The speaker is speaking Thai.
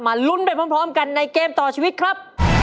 ลุ้นไปพร้อมกันในเกมต่อชีวิตครับ